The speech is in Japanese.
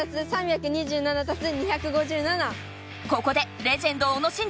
ここでレジェンド小野伸二